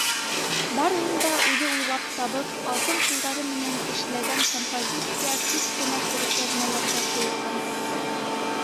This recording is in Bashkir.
Барыһын да үҙе уйлап табып, алтын ҡулдары менән эшләгән композиция күп кенә күргәҙмәләргә ҡуйылған.